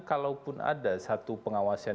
kalaupun ada satu pengawasan